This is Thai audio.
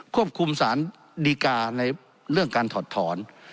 คุมสารดีกาในเรื่องการถอดถอน